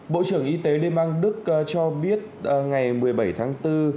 bộ trưởng y tế đêm an đức cho biết ngày một mươi bảy tháng bốn